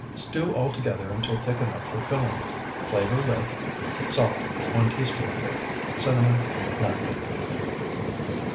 Stew all together until thick enough for filling. Flavor with Salt, 1 teaspoonful. Cinnamon. Nutmeg.